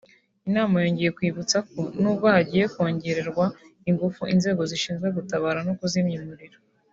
Inama yongeye kwibutsa ko n’ubwo hagiye kwongererwa ingufu inzego zishinzwe gutabara no kuzimya imiriro